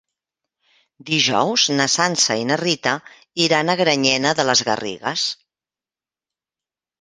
Dijous na Sança i na Rita iran a Granyena de les Garrigues.